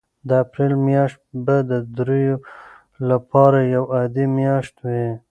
د اپریل میاشت به د ډېرو لپاره یوه عادي میاشت وي.